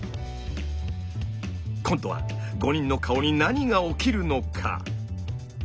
今度は５人の顔に何が起きるのか。